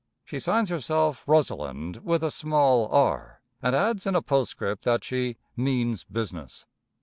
She signs herself Rosalinde, with a small r, and adds in a postscript that she "means business."